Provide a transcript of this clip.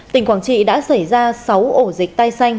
tỉnh quảng trị đã xảy ra sáu ổ dịch tay xanh